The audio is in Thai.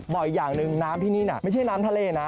บอกอีกอย่างหนึ่งน้ำที่นี่น่ะไม่ใช่น้ำทะเลนะ